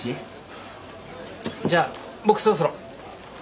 じゃ僕そろそろ。